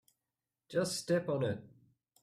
Just step on it.